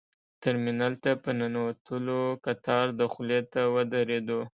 ترمینل ته په ننوتلو کتار دخولي ته ودرېدو.